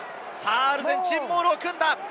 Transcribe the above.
アルゼンチン、モールを組んだ！